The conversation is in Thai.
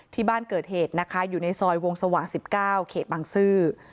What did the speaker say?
ที่บ้านเกิดเหตุนะคะอยู่ในซอยวงสว่าง๑๙เขตบางซื่อ